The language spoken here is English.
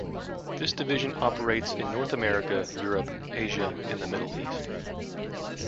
This division operates in North America, Europe, Asia and the Middle East.